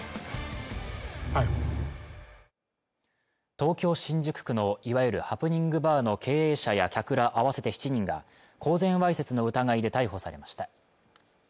東京・新宿区のいわゆるハプニングバーの経営者や客ら合わせて７人が公然わいせつの疑いで逮捕されました